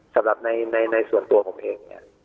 สำหรับในส่วนตัวผมเองเนี่ย